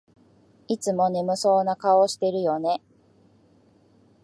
いつも眠そうな顔してるよね